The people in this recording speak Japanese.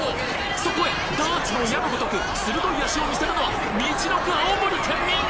そこへダーツの矢のごとく鋭い脚を見せるのはみちのく・青森県民！